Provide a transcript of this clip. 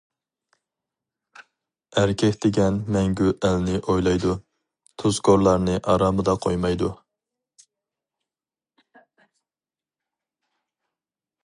ئەركەك دېگەن مەڭگۈ ئەلنى ئويلايدۇ، تۇزكورلارنى ئارامىدا قويمايدۇ.